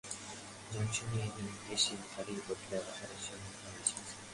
জংশনে এসে গাড়ি বদলিয়ে আহারের সন্ধানে গেছে।